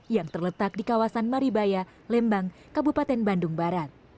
yang terletak di kawasan maribaya lembang kabupaten bandung barat